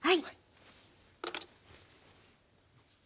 はい。